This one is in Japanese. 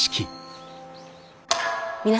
皆様